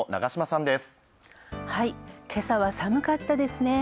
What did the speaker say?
今朝は寒かったですね。